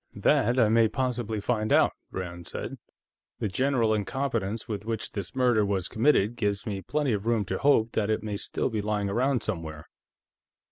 "That I may possibly find out," Rand said. "The general incompetence with which this murder was committed gives me plenty of room to hope that it may still be lying around somewhere."